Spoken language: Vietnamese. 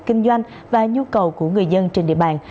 kinh doanh và nhu cầu của người dân